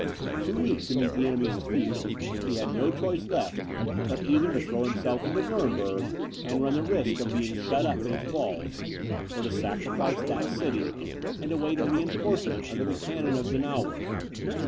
Too weak to meet the enemy in the field, he had no choice left, but either to throw himself into Nuremberg, and run the risk of being shut up in its walls, or to sacrifice that city, and await a reinforcement under the cannon of Donauwerth.